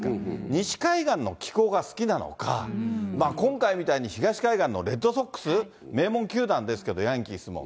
西海岸の気候が好きなのか、今回みたいに東海岸のレッドソックス、名門球団ですけど、ヤンキースも。